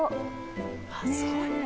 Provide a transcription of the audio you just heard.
あっすごい。